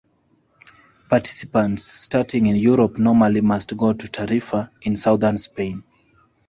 Participants starting in Europe normally must go to Tarifa in Southern Spain.